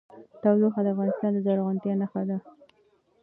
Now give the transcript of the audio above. تودوخه د افغانستان د زرغونتیا نښه ده.